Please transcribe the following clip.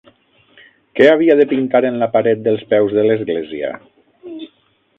Què havia de pintar en la paret dels peus de l'església?